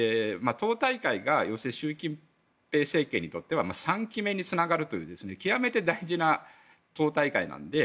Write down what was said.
党大会が習近平政権にとっては３期目につながるという極めて大事な党大会なので。